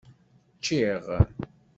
Ččiɣ.